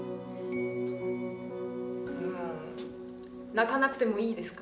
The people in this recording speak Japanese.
泣かなくてもいいですか？